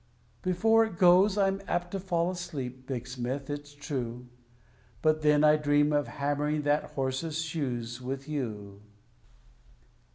Before it goes, I'm apt to fall asleep, Big Smith, it's true; But then I dream of hammering that horse's shoes with you!